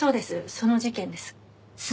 その事件です。